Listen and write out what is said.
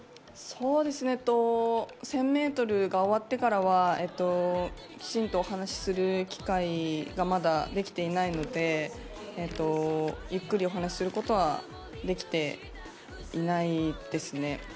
１０００ｍが終わってからはきちんとお話しする機会がまだできていないのでゆっくりお話しすることはできていないですね。